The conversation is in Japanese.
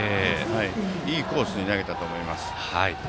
いいコースに投げたと思います。